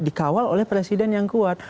dikawal oleh presiden yang kuat